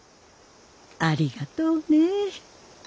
ありがとうねえ。